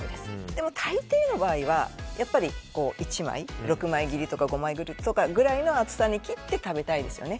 でも大抵の場合は、やっぱり１枚、６枚切りとか５枚切りぐらいの厚さに切って食べたいですよね。